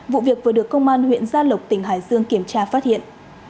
vụ việc vừa được công an huyện gia lộc tỉnh hải dương kiểm tra phát hiện